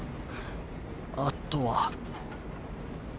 あとは。